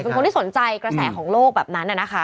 เป็นคนที่สนใจกระแสของโลกแบบนั้นนะคะ